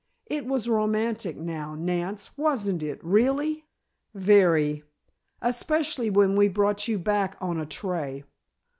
It was romantic now, Nance, wasn't it, really?" "Very. Especially when we brought you back on a tray.